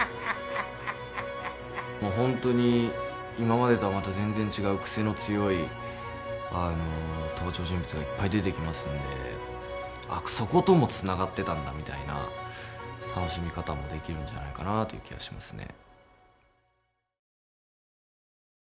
もう本当に今までとはまた全然違う癖の強い登場人物がいっぱい出てきますのであっそこともつながってたんだみたいな楽しみ方もできるんじゃないかなという気はしますね。